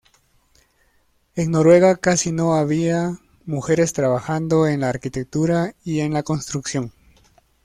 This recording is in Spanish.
En Noruega casi no había mujeres trabajando en la arquitectura y en la construcción.